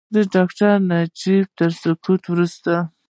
د ډاکټر نجیب الله تر سقوط وروسته.